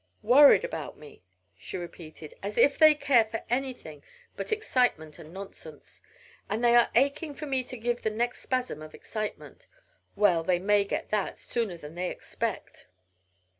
"Worried about me!" she repeated, "as if they care for anything but excitement and nonsense. And they are aching for me to give the next spasm of excitement! Well, they may get that, sooner than they expect."